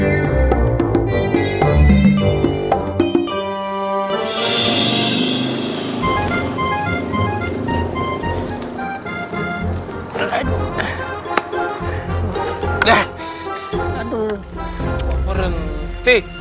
aduh kok berhenti